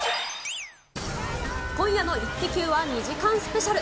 今夜のイッテＱ！は２時間スペシャル。